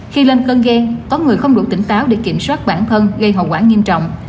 khi lên cơn ghen có người không đủ tỉnh táo để kiểm soát bản thân gây hậu quả nghiêm trọng